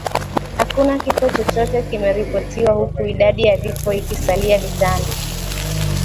Hakuna kifo chochote kimeripotiwa huku idadi ya vifo ikisalia vitano